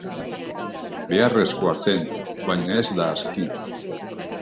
Beharrezkoa zen, baina ez da aski.